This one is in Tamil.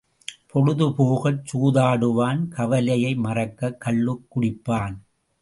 பொழுது போகச் சூதாடுவான் கவலையை மறக்கக் கள்ளு குடிப்பான்.